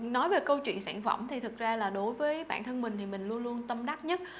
nói về câu chuyện sản phẩm thì thực ra là đối với bản thân mình thì mình luôn luôn tâm đắc nhất